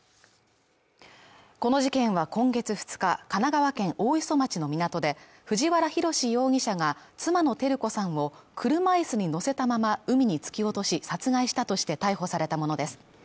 この事件は今月２日神奈川県大磯町の港で藤原宏容疑者が妻の照子さんを車椅子に乗せたまま海に突き落とし殺害したとして逮捕されたものです